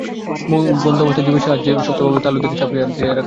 মুখ বন্ধ অবস্থায় জিবের সাহায্যে শক্তভাবে তালুর দিকে চাপ দিয়ে রাখুন।